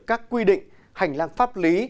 các quy định hành lang pháp lý